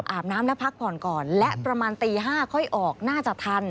อาบน้ำและพักผ่อนก่อนและประมาณตี๕ค่อยออกน่าจะทัน